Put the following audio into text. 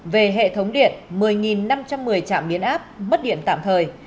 về hệ thống điện một mươi năm trăm một mươi trạm biến áp mất điện tạm thời